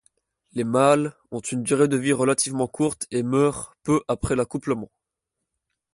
Les mâles ont une durée de vie relativement courte et meurent peu après l'accouplement.